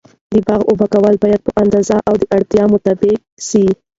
د باغ اوبه کول باید په اندازه او د اړتیا مطابق و سي.